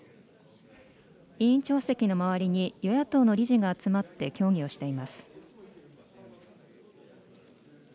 委員長席の周りに与野党の理事が集まって協議をしています。